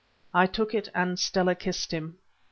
I took it, and Stella kissed him.